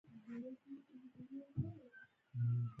ډېر ځوانان یې ژبو او ملت ته نه کوي.